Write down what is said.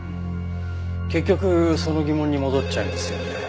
結局その疑問に戻っちゃいますよね。